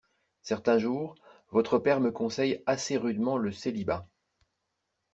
Certain jour, votre père me conseille assez rudement le célibat.